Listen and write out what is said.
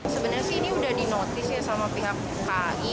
sebenarnya sih ini sudah dinotis ya sama pihak ki